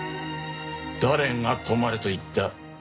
誰が止まれと言った？